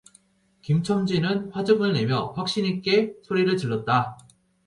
김첨지는 화증을 내며 확신 있게 소리를 질렀다